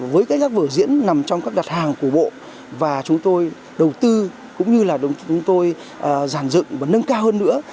với các vở diễn nằm trong các đặt hàng của bộ và chúng tôi đầu tư cũng như là chúng tôi giản dựng và nâng cao hơn nữa